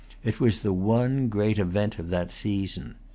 It was the one great event of that season.